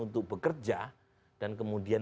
untuk bekerja dan kemudian